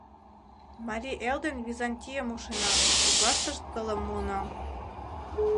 Марий эл ден Византийым ушенам, коклаштышт кылым муынам.